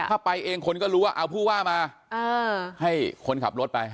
ถ้าไปเองคนก็รู้ว่าเอาผู้ว่ามาให้คนขับรถไป